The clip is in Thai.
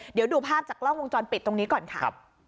เดี๋ยวดูภาพจากกล้องวงจรปิดตรงนี้ก่อนค่ะ